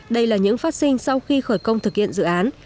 đây là những phát sinh sau khi khởi công thực hiện dự án